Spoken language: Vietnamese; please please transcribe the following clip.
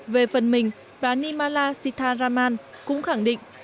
về phần mình nirmala sitharaman cũng khẳng định